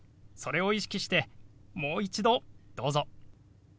それを意識してもう一度どうぞ。